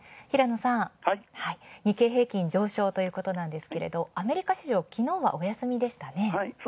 平野さん、日経平均上昇ということなんですがアメリカ市場きのうはお休みでしたね。